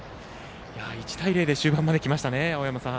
１対０で終盤まで来ました。